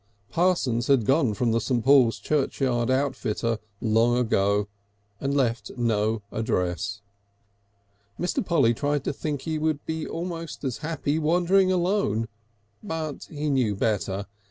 Parsons had gone from the St. Paul's Churchyard outfitter's long ago, and left no address. Mr. Polly tried to think he would be almost as happy wandering alone, but he knew better.